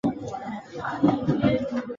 容易验证所有这样的矩阵构成一个群。